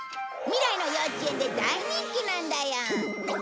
未来の幼稚園で大人気なんだよ！